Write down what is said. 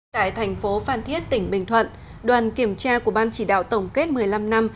tại thành phố phan thiết tỉnh bình thuận đoàn kiểm tra của ban chỉ đạo tổng kết một mươi năm năm